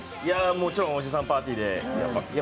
もちろんおじさんパーティーで。